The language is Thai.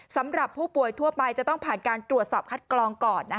สำหรับผู้ป่วยทั่วไปจะต้องผ่านการตรวจสอบคัดกรองก่อน